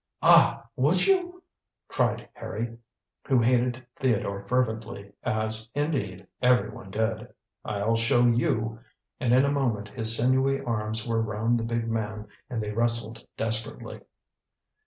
"Ah! would you?" cried Harry, who hated Theodore fervently, as, indeed, everyone did. "I'll show you," and in a moment his sinewy arms were round the big man and they wrestled desperately.